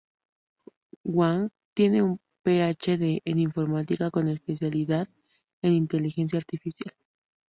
Wang Tiene un PhD en informática con especialidad en inteligencia artificial.